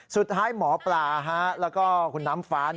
สุดท้ายหมอปลาแล้วก็คุณน้ำฟ้า